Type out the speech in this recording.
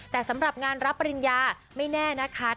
แต่สำหรับงานรับปริญญาไม่แน่นะคะ